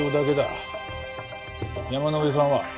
山野辺さんは？